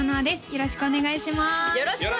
よろしくお願いします！